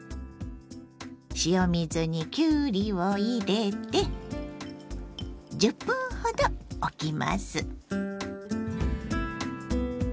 塩水にきゅうりを入れて１０分ほどおきます。